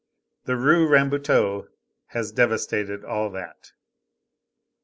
The Rue Rambuteau has devastated all that.